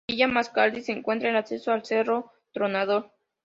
En Villa Mascardi se encuentra el acceso al Cerro Tronador.